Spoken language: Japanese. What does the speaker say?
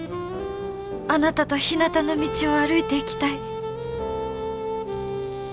あなたとひなたの道を歩いていきたい。